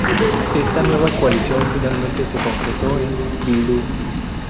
Esta nueva coalición finalmente se concretó en Bildu.